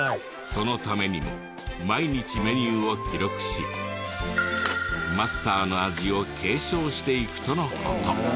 そのためにも毎日メニューを記録しマスターの味を継承していくとの事。